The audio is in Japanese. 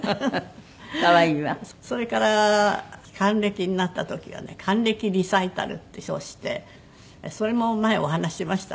それから還暦になった時はね「還暦リサイタル」って称してそれも前お話ししましたね